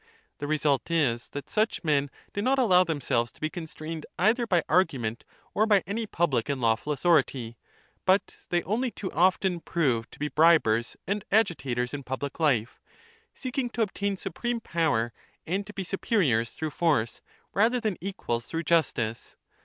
The result is that such men do not allow themselves to be constrained either by argument or by any public and lawful authority ; but they only too often prove to be bribers and agitators in pubhc Hfe, seeking to obtain supreme power and to be superiors through force rather than equals through justice.